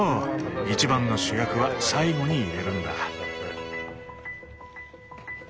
一番の主役は最後に入れるんだ。